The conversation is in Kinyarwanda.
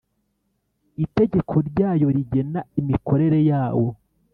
Itegeko ryayo rigena imikorere yawo